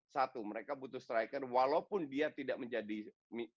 satu mereka butuh striker walaupun dia tidak menjadi